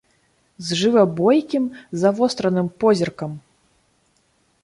З жыва бойкім, завостраным позіркам.